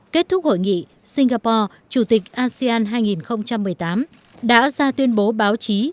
kết thúc hội nghị singapore chủ tịch asean hai nghìn một mươi tám đã ra tuyên bố báo chí